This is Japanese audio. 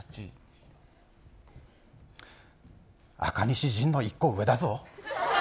赤西仁の１個上だぞ？